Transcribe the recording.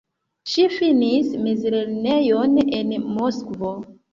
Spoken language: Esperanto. Ŝi finis mezlernejon en Moskvo.